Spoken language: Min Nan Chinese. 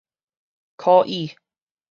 可以